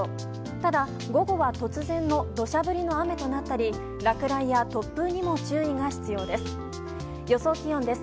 ただ、午後は突然の土砂降りの雨となったり落雷や突風にも注意が必要です。